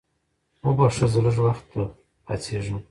وبخښه زه لږ وخته پاڅېږم.